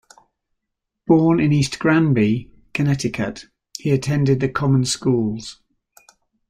Born in East Granby, Connecticut, he attended the common schools.